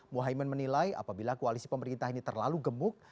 muhaymin menilai apabila koalisi pemerintah ini terlalu gemuk